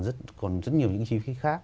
rất nhiều những chi phí khác